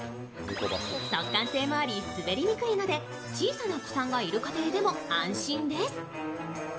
速乾性もあり滑りにくいので小さなお子さんがいるご家庭でも安心です。